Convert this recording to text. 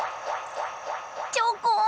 チョコン！